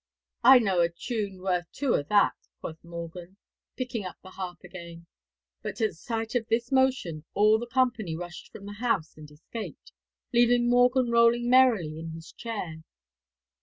'I know a tune worth two of that,' quoth Morgan, picking up the harp again; but at sight of this motion all the company rushed from the house and escaped, leaving Morgan rolling merrily in his chair.